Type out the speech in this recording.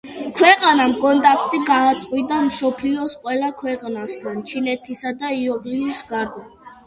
ქვეყანამ კონტაქტი გაწყვიტა მსოფლიოს ყველა ქვეყანასთან, ჩინეთისა და იუგოსლავიის გარდა.